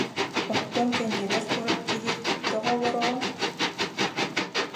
Оттон кэннибэр турар «киһи»: «Тоҕо олороҕун